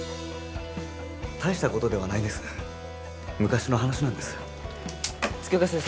大したことではないんです昔の話なんです月岡先生